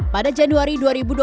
pada januari dua ribu dua puluh